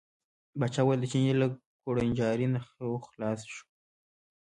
پاچا وویل د چیني له کوړنجاري نه خو خلاص شو.